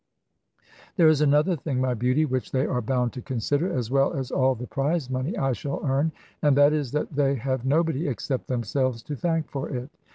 "There is another thing, my beauty, which they are bound to consider, as well as all the prize money I shall earn. And that is, that they have nobody except themselves to thank for it.